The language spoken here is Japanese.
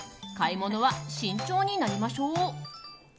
買い物は慎重になりましょう。